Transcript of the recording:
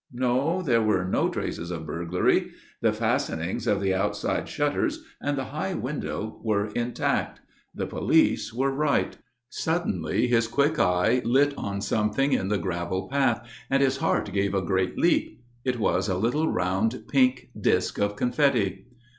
No; there were no traces of burglary. The fastenings of the outside shutters and the high window were intact. The police were right. Suddenly his quick eye lit on something in the gravel path and his heart gave a great leap. It was a little round pink disc of confetti.